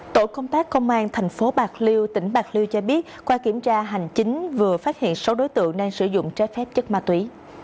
tổ công tác công an thành phố bạc liêu tỉnh bạc liêu cho biết qua kiểm tra hành chính vừa phát hiện sáu đối tượng đang sử dụng trái phép chất ma túy